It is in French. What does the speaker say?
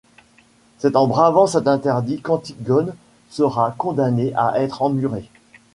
C'est en bravant cet interdit qu'Antigone sera condamnée à être emmurée.